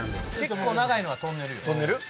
結構長いのはトンネルよ。